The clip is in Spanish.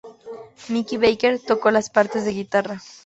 Mickey Baker tocó las partes de guitarra.